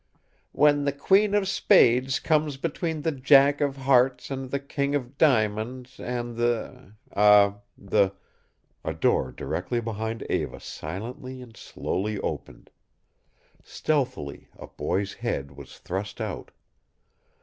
"When the queen of spades comes between the jack of hearts and the king of diamonds and the a the " A door directly behind Eva silently and slowly opened. Stealthily a boy's head was thrust out.